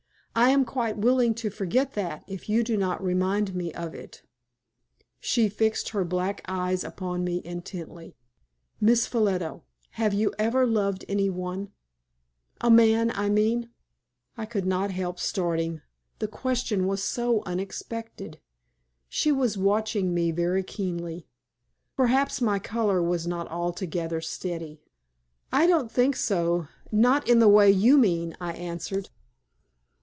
I am quite willing to forget that if you do not remind me of it." She fixed her black eyes upon me intently. "Miss Ffolliot, have you ever loved any one a man, I mean?" I could not help starting, the question was so unexpected. She was watching me very keenly. Perhaps my color was not altogether steady. "I don't think so not in the way you mean," I answered.